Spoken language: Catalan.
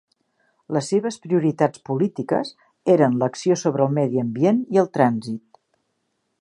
Les seves prioritats polítiques eren l'acció sobre el medi ambient i el trànsit.